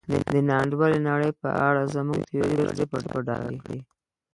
د نا انډولې نړۍ په اړه زموږ تیوري به ډېر څه په ډاګه کړي.